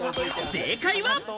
正解は。